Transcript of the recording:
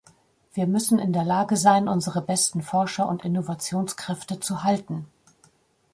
Wir müssen in der Lage sein, unsere besten Forscher und Innovationskräfte zu halten.